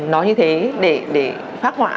nói như thế để phát họa